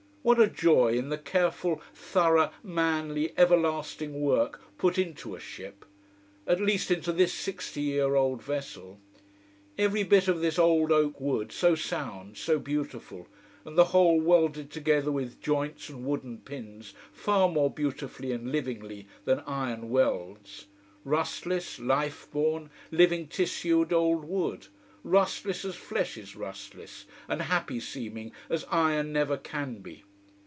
What a joy in the careful, thorough, manly, everlasting work put into a ship: at least into this sixty year old vessel. Every bit of this old oak wood so sound, so beautiful: and the whole welded together with joints and wooden pins far more beautifully and livingly than iron welds. Rustless, life born, living tissued old wood: rustless as flesh is rustless, and happy seeming as iron never can be.